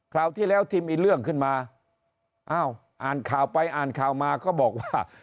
ราวที่แล้วที่มีเรื่องขึ้นมาอ้าวอ่านข่าวไปอ่านข่าวมาก็บอกว่า